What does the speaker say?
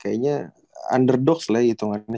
kayaknya underdog lah hitungannya